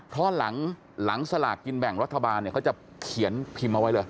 เพราะหลังสลากกินแบ่งรัฐบาลเนี่ยเขาจะเขียนพิมพ์เอาไว้เลย